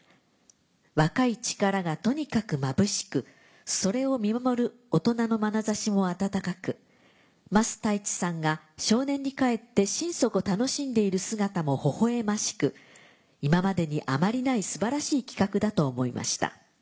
若い力がとにかくまぶしくそれを見守る大人のまなざしも温かく桝太一さんが少年に返って心底楽しんでいる姿もほほ笑ましく今までにあまりない素晴らしい企画だと思いました。